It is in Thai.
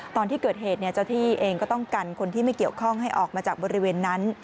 ตอนที่เกิดเหตุเจ้าที่เองก็ต้องกันคนที่ไม่เกี่ยวข้องให้ออกมาจากบริเวณนั้น